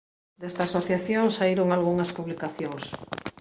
Desta asociación saíron algunhas publicacións.